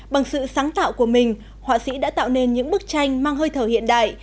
bằng sự sáng tạo của mình họa sĩ đã tạo nên những bức tranh mang hơi thở hiện đại